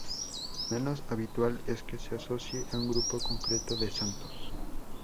Menos habitual es que se asocie a un grupo concreto de santos.